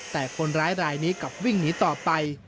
แต่คนร้ายรายนี้กลับวิ่งหนีต่อไป